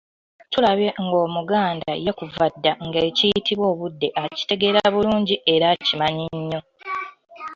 Tulabye ng'Omuganda ye kuva dda nga ekiyitibwa obudde akitegeera bulungi era akimanyi nnyo .